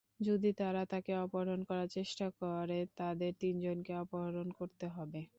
যদি তারা তাকে অপহরণ করার চেষ্টা করে, তাদের তিনজনকে অপহরণ করতে হবে।